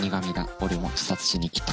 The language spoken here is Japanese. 俺も自殺しに来た。